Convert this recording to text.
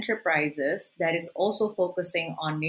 berdasarkan komunitas yang juga